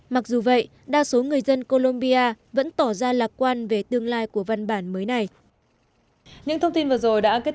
mặc dù vậy đa số người dân colombia vẫn tỏ ra lạc quan về tương lai của văn bản mới này